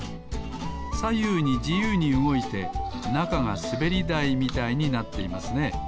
さゆうにじゆうにうごいてなかがすべりだいみたいになっていますね。